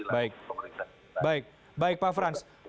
baik pak frans